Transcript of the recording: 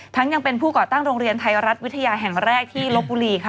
ยังเป็นผู้ก่อตั้งโรงเรียนไทยรัฐวิทยาแห่งแรกที่ลบบุรีค่ะ